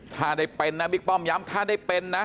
ถ้าได้เป็นนะบิ๊กป้อมย้ำถ้าได้เป็นนะ